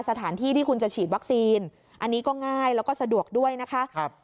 สถานที่ที่คุณจะฉีดวัคซีนอันนี้ก็ง่ายแล้วก็สะดวกด้วยนะคะครับ